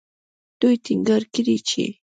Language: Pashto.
دوی ټینګار کړی چې